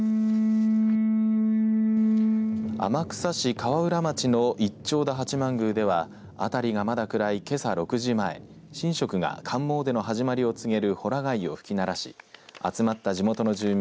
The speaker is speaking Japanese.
河浦町の一町田八幡宮ではあたりがまだ暗い、けさ６時前神職が寒詣の始まりを告げるほら貝を吹き鳴らし集まった地元の住民